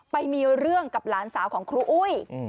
ไปมีเรื่องกับหลานสาวของครูอุ้ย